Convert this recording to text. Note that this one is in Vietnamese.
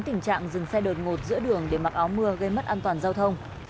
tình trạng dừng xe đột ngột giữa đường để mặc áo mưa gây mất an toàn giao thông